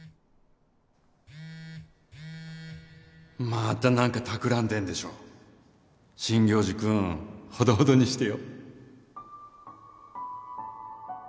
また何かたくらん真行寺君ほどほどにしてよ？